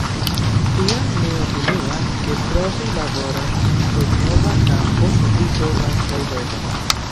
Tial mi opinias, ke provi laboron sur nova kampo vi povas kaj devas.